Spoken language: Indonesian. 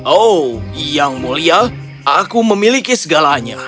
oh yang mulia aku memiliki segalanya